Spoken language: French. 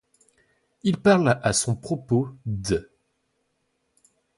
Il parle à son propos d'.